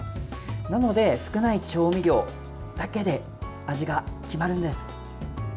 なので、少ない調味料だけで味が決まるんです。